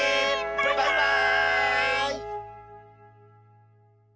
バイバーイ！